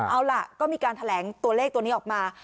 เอาล่ะก็มีการแถลงตัวเลขตัวนี้ออกมา